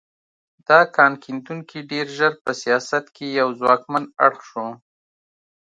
دا کان کیندونکي ډېر ژر په سیاست کې یو ځواکمن اړخ شو.